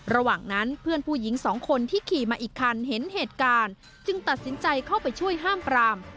ระหว่างนั้นเพื่อนผู้หญิงสองคนที่ขี่มาอีกคันเห็นเหตุการณ์จึงตัดสินใจเข้าไปช่วยห้ามปราม